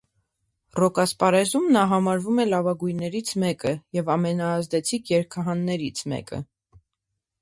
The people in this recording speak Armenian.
Ռոք ասպարեզում նա համարվում է լավագույններից մեկը և ամենաազդեցիկ երգահաններից մեկը։